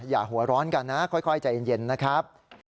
อย่าหัวร้อนกันนะค่อยใจเย็นนะครับ